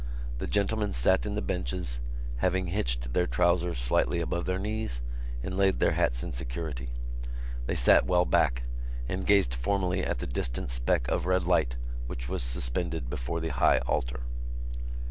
The gentlemen sat in the benches, having hitched their trousers slightly above their knees and laid their hats in security. They sat well back and gazed formally at the distant speck of red light which was suspended before the high altar.